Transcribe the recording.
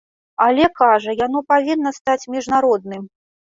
Але, кажа, яно павінна стаць міжнародным.